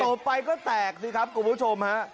บไปก็แตกสิครับคุณผู้ชมฮะ